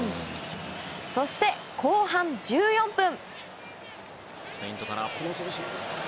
そして、後半１４分。